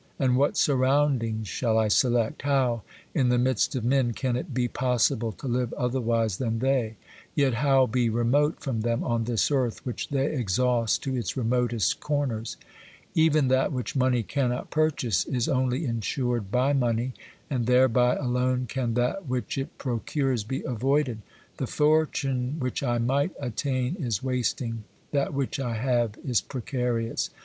And what surroundings shall I select? How, in the midst of men, can it be possible to live otherwise than they, yet how be remote from them on this earth which they exhaust to its remotest corners ? Even that which money cannot purchase is only insured by money, and thereby alone can that which it procures be avoided. The fortune which I might attain is wasting; that which I have is precarious.